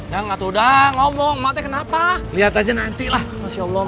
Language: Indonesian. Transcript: yang ngatu dah ngomong mati kenapa lihat aja nanti lah masya allah